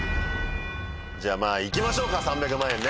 じゃあまぁ行きましょうか３００万円ね。